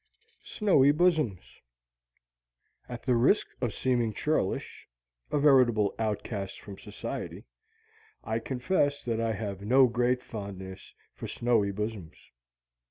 SNOWY BOSOMS At the risk of seeming churlish, a veritable outcast from society, I confess that I have no great fondness for snowy bosoms.